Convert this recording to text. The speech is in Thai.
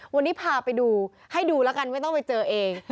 วันนี้พาไปดูให้ดูแล้วกันไม่ต้องไปเจอเอง